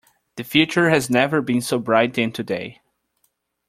The future has never been so bright than today.